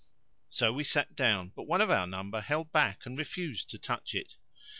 So we sat down, but one of our number held back and refused to touch it.